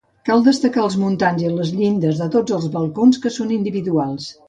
Cal destacar els muntants i les llindes de tots els balcons, que són individuals.